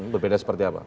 berbeda seperti apa